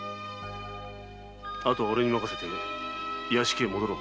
あとはおれに任せて屋敷に戻ろう。